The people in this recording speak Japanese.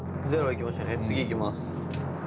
次いきます。